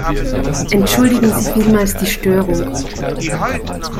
Entschuldigen Sie vielmals die Störung.